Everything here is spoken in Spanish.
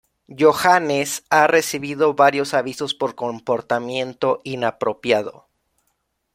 Yohannes ha recibido varios avisos por comportamiento inapropiado.